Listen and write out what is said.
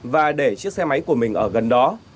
và để chiếc xe máy của mình ở gần đó